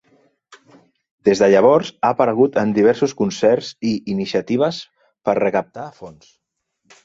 Des de llavors, ha aparegut en diversos concerts i iniciatives per recaptar fons.